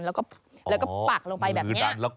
แล้วก็ปักลงไปแบบนี้